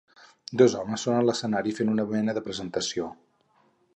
Dos homes són a l'escenari fent una mena de presentació.